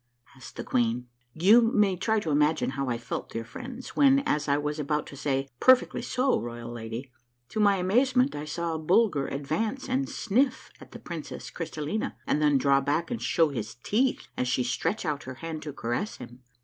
asked the queen. You may try to imagine how I felt, dear friends, when as I was about to say, " Perfectly so, royal lady," to my amazement I saw Bulger advance and sniff at the Princess Crystallina and then draw back and show his teeth as she stretched out her hand to caress him.